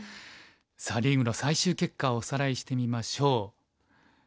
さあリーグの最終結果をおさらいしてみましょう。